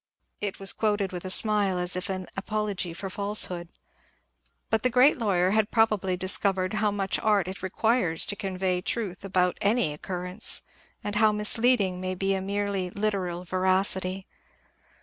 It was quoted with a smile, as if an apology for falsehood. But the great lawyer had probably discovered how much art it requires to convey the truth about any occur rence, and how misleading may be a merely literal veracity.